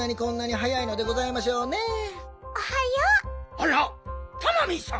あらタマミーさん！